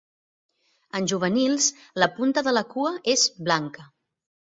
En juvenils, la punta de la cua és blanca.